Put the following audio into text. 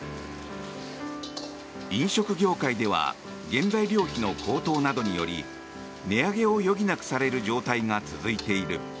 飲食業界では原材料費の高騰などにより値上げを余儀なくされる状態が続いている。